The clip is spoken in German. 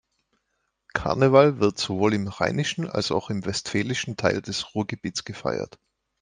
Karneval wird sowohl im rheinischen als auch im westfälischen Teil des Ruhrgebiets gefeiert.